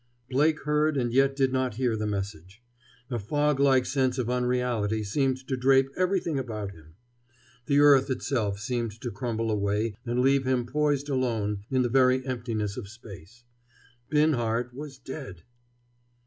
Blake heard and yet did not hear the message. A fog like sense of unreality seemed to drape everything about him. The earth itself seemed to crumble away and leave him poised alone in the very emptiness of space. Binhart was dead!